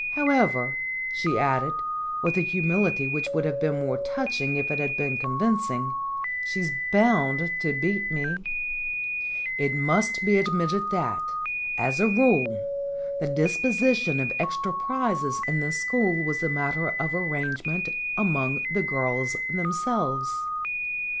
CHRISIMISSIMA 121 However," she added, with a humility which would have been more touching if it had been convincing, "she's bound to beat me." It must be admitted that, as a rule, the disposition of extra prizes in this school was a matter of arrange ment among the girls themselves.